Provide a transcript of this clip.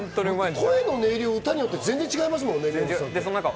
声の音色が歌によって全然違いますもんね。